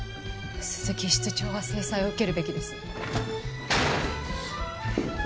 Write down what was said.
鈴木室長は制裁を受けるべきです。